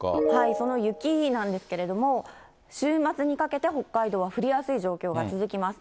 その雪なんですけれども、週末にかけて北海道は降りやすい状況が続きます。